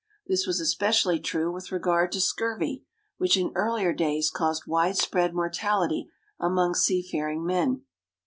This was especially true with regard to scurvy, which in earlier days caused widespread mortality among seafaring men.